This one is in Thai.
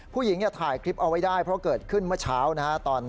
ผู้หญิงถ่ายคลิปเอาไว้ได้เพราะเกิดขึ้นเมื่อเช้านะฮะ